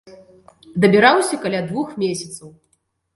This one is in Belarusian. Дабіраўся каля двух месяцаў.